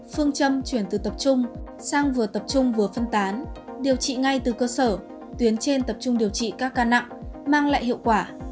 phương châm chuyển từ tập trung sang vừa tập trung vừa phân tán điều trị ngay từ cơ sở tuyến trên tập trung điều trị các ca nặng mang lại hiệu quả